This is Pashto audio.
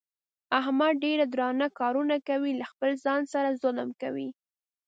احمد ډېر درانه کارونه کوي. له خپل ځان سره ظلم کوي.